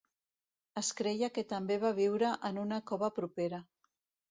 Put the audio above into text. Es creia que també va viure en una cova propera.